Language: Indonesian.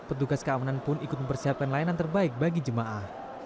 petugas keamanan pun ikut mempersiapkan layanan terbaik bagi jemaah